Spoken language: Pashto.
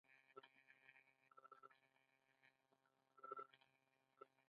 دوی د توتانو باغونه لري.